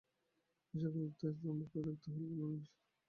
এই-সকল দ্বেষ ও দ্বন্দ্ব পরিত্যক্ত হইলে অন্যান্য বিষয়ে উন্নতি অবশ্যম্ভাবী।